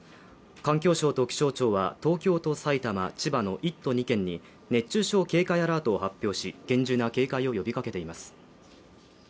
環境省と気象庁は東京と埼玉、千葉の１都２県に熱中症警戒アラートを発表し厳重な警戒を呼びかけています。